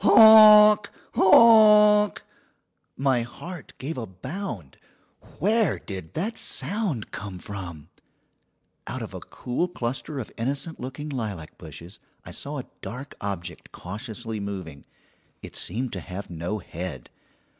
"Honk! honk!" My heart gave a bound! Where did that sound come from? Out of a cool cluster of innocent looking lilac bushes I saw a dark object cautiously moving. It seemed to have no head.